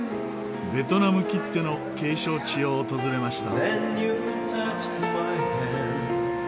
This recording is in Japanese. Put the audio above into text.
ベトナムきっての景勝地を訪れました。